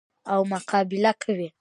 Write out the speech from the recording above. او مقابله کوي.